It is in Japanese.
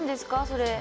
それ。